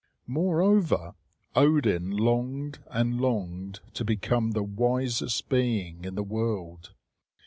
Moreover, Odin longed and longed to become the wisest being in the world.